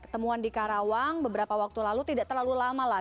temuan di karawang beberapa waktu lalu tidak terlalu lama lah